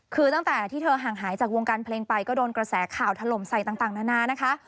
คือตั้งแต่ที่เธอห่างหายจากวงการเพลงไปก็โดนกระแสข่าวถล่มใส่ต่างนานานะคะ